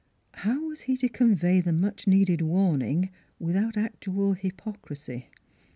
How was he to convey the much needed warning without actual hypocrisy?